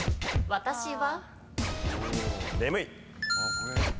私は。